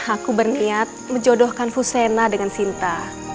aku berniat menjodohkan fusena dengan cinta